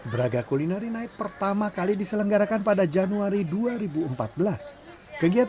braga culinary night pertama kali diselenggarakan pada januari dua ribu empat belas kegiatan